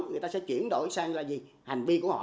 người ta sẽ chuyển đổi sang là hành vi của họ